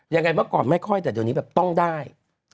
เมื่อก่อนไม่ค่อยแต่เดี๋ยวนี้แบบต้องได้